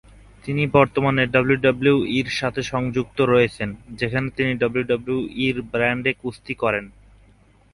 তিনি বর্তমানে ডাব্লিউডাব্লিউইর সাথে সংযুক্ত রয়েছেন, যেখানে তিনি ডাব্লিউডাব্লিউই র ব্র্যান্ডে কুস্তি করেন।